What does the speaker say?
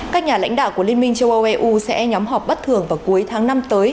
các nhà lãnh đạo của liên minh châu âu eu sẽ nhóm họp bất thường vào cuối tháng năm tới